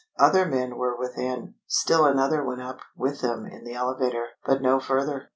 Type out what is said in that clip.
Other men were within. Still another went up with them in the elevator, but no further.